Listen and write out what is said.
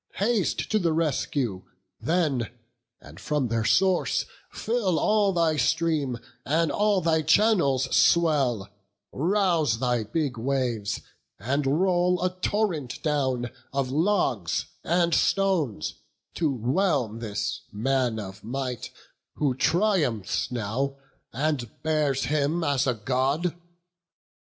Haste to the rescue then, and from their source Fill all thy stream, and all thy channels swell; Rouse thy big waves, and roll a torrent down Of logs and stones, to whelm this man of might, Who triumphs now, and bears him as a God.